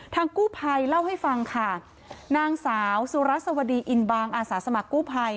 กู้ภัยเล่าให้ฟังค่ะนางสาวสุรัสวดีอินบางอาสาสมัครกู้ภัย